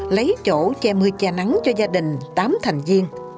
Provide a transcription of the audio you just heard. lấy chỗ che mưa che nắng cho gia đình tám thành viên